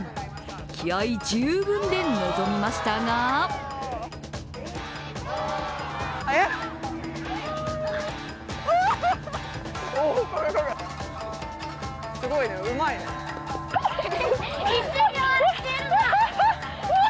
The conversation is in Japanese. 気合い十分で臨みましたがすごいね、うまいね。